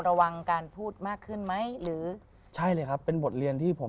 ระวังการพูดมากขึ้นไหมหรือใช่เลยครับเป็นบทเรียนที่ผม